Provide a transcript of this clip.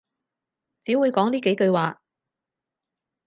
只會講呢幾句話